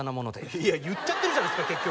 いや言っちゃってるじゃないですか結局。